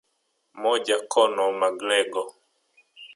MojaConor McGregor